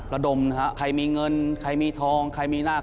ระดมนะฮะใครมีเงินใครมีทองใครมีราบ